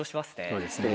そうですね